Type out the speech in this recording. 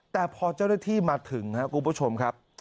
แต่พอเจ้าหน้าที่มาถึงครับคุณผู้ชมครับ